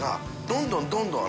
どんどんどんどん遒蠑